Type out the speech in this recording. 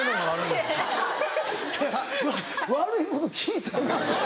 ・悪いこと聞いたなと。